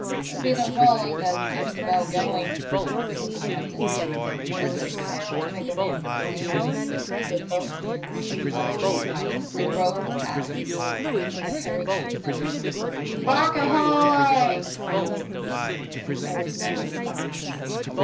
*' It'll be the rolling that keeps that bell going," said the captain ;but it's a sound to make a man feel clammy." He put both hands, hollowed, to his mouth, and roared out, in a hurricane note, Barque ahoy !"' There was no response.